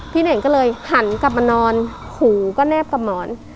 เน่งก็เลยหันกลับมานอนหูก็แนบกับหมอน